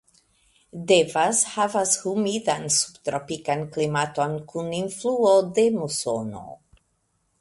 Devas havas humidan subtropikan klimaton kun influo de musono.